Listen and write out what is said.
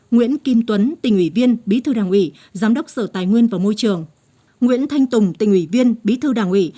nguyễn kim tuấn tỉnh ủy viên bí thư đảng ủy giám đốc sở tài nguyên và môi trường nguyễn thanh tùng tỉnh ủy viên bí thư đảng ủy